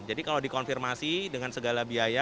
jadi kalau dikonfirmasi dengan segala biaya